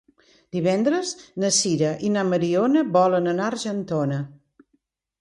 Divendres na Sira i na Mariona volen anar a Argentona.